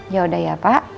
yaudah ya pak